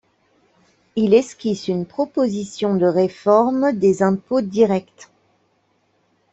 Il esquisse une proposition de réforme des impôts directs.